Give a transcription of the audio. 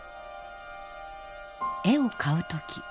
絵を買う時